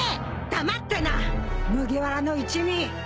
黙ってな麦わらの一味。